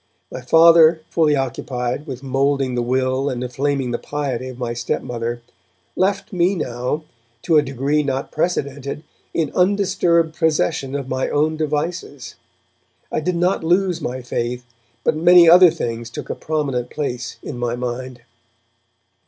My Father, fully occupied with moulding the will and inflaming the piety of my stepmother, left me now, to a degree not precedented, in undisturbed possession of my own devices. I did not lose my faith, but many other things took a prominent place in my mind.